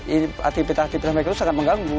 aktivitas aktivitas mereka itu sangat mengganggu